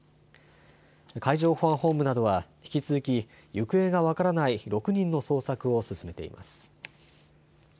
海上保安本部などは引き続き行方が分からない６人の捜索を進めています。